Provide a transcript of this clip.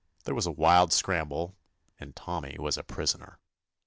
There was a wild scramble, and Tommy was a prisoner.